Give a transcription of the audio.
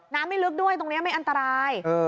ไม่ลึกด้วยตรงนี้ไม่อันตราย